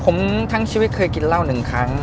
ผมทั้งชีวิตเคยกินเหล้าหนึ่งครั้ง